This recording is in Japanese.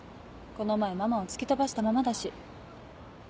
この前ママを突き飛ばしたままだし。